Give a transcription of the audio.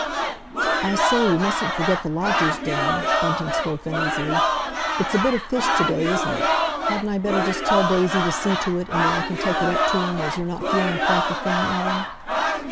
"I say, we mustn't forget the lodger's dinner," Bunting spoke uneasily. "It's a bit of fish to day, isn't it? Hadn't I better just tell Daisy to see to it, and then I can take it up to him, as you're not feeling quite the thing, Ellen?"